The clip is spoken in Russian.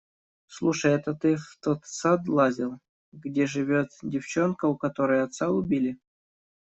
Слушай, это ты в тот сад лазил, где живет девчонка, у которой отца убили?